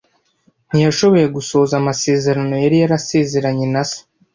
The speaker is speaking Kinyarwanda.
Ntiyashoboye gusohoza amasezerano yari yarasezeranye na se.